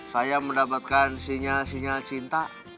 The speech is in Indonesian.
saya mendapatkan sinyal sinyal cinta